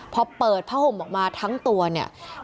พอเปิดผ้าห่มออกมาทั้งตัวเนี่ย